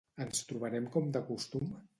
Ens trobarem com de costum?